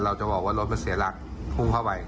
เราจะบอกว่ารถมันเสียหลักพุ่งเข้าไป